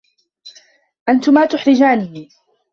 أنتما تحرجانني.